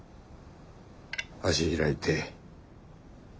足開いて。